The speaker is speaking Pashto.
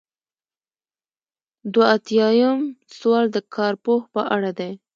دوه ایاتیام سوال د کارپوه په اړه دی.